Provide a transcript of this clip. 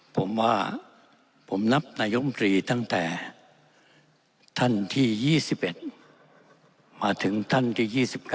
ผมว่าผมนับนายมตรีตั้งแต่ท่านที่๒๑มาถึงท่านที่๒๙